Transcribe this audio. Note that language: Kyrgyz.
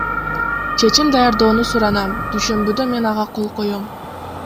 Чечим даярдоону суранам, дүйшөмбүдө мен ага кол коем.